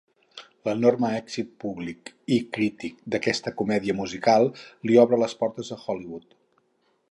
L'enorme èxit públic i crític d'aquesta comèdia musical li obre les portes de Hollywood.